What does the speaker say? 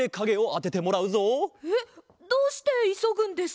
えっどうしていそぐんですか？